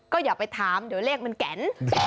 ก็อย่าไปถามเดี๋ยวเลขมันแก่น